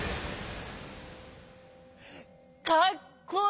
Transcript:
かっこいい！